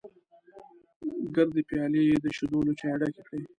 ګردې پيالې یې د شیدو له چایو ډکې کړې.